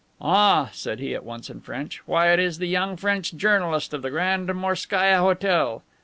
"Ah," said he at once in French, "why, it is the young French journalist of the Grand Morskaia Hotel.